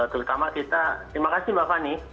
terutama kita terima kasih mbak fani